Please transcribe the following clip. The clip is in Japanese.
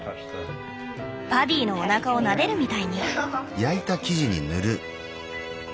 パディのおなかをなでるみたいに。